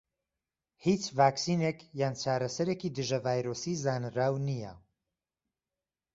هیچ ڤاکسینێک یان چارەسەرێکی دژە ڤایرۆسی زانراو نیە.